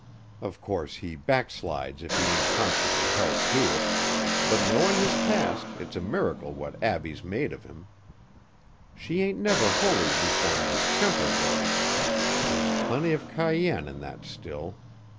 Of course, he backslides if he ain't constantly held to it; but knowin' his past it's a miracle what Abbie's made of him. She ain't never wholly reformed his temper, though. There's plenty of cayenne in that still.